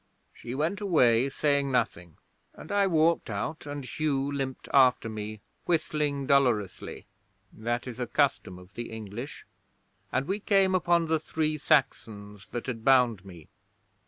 'She went away, saying nothing, and I walked out, and Hugh limped after me, whistling dolorously (that is a custom of the English), and we came upon the three Saxons that had bound me.